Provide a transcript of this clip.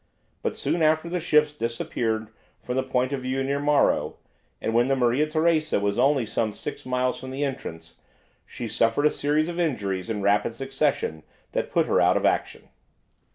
But soon after the ships disappeared from the point of view near Morro, and when the "Maria Teresa" was only some six miles from the entrance, she suffered a series of injuries in rapid succession that put her out of action.